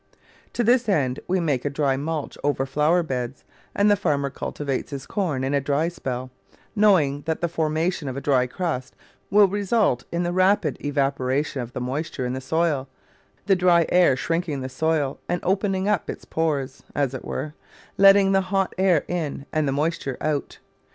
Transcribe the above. To this end we make a dry mulch over flower beds and the farmer cultivates his corn in a "dry spell," knowing that the formation of a dry crust will result in the rapid evaporation of the moisture in the soil, the dry air shrinking the soil and opening up its pores, as it were, letting the hot air in and the moisture out.